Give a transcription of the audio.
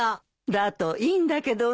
だといいんだけどね。